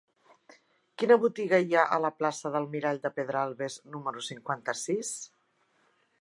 Quina botiga hi ha a la plaça del Mirall de Pedralbes número cinquanta-sis?